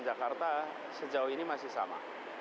jakarta sejauh ini masih sama